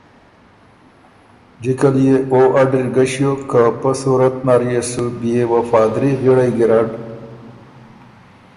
جکه ليې او اډِر ګۀ ݭیوک که پۀ صورت نر اِر سُو بيې وفادري غِړئ ګیرډ